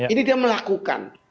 ini dia melakukan